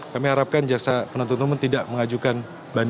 kami harapkan jaksa penuntut umum tidak memusnahkan kita untuk menerima hukum ini